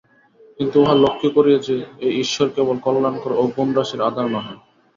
কিন্তু ইহা লক্ষ্য করিও যে, এই ঈশ্বর কেবল কল্যাণকর গুণরাশির আধার নহেন।